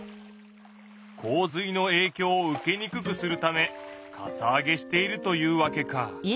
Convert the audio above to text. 洪水のえいきょうを受けにくくするためかさ上げしているというわけか。